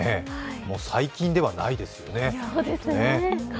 細菌ではないですよね。